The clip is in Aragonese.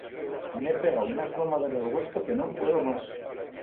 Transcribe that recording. M'he pegau una eslomada en el huerto que no'n puedo mas.